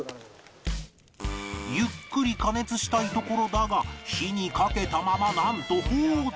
ゆっくり加熱したいところだが火にかけたままなんと放置